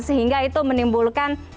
sehingga itu menimbulkan